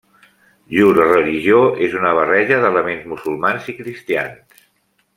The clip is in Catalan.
Llur religió és una barreja d'elements musulmans i cristians.